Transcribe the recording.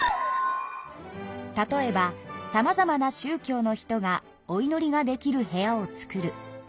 例えばさまざまなしゅう教の人がおいのりができる部屋をつくる。